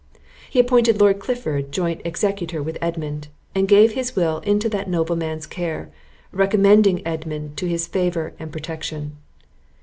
He appointed Lord Clifford joint executor with Edmund, and gave his will into that nobleman's care, recommending Edmund to his favour and protection.